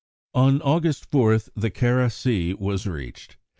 On August 4 the Kara Sea was reached.